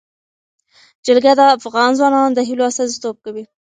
جلګه د افغان ځوانانو د هیلو استازیتوب کوي.